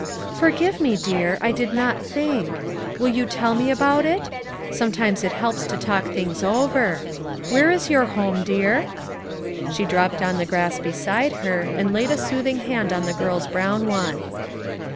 "Forgive me, dear, I did not think. Will you tell me about it? Sometimes it helps to talk things over. Where is your home, dear?" Si FOUR MOTHERS AT CHAUTAUQUA She dropped on Hie grass beside her, and laid a soothing hand on the girl's brown one.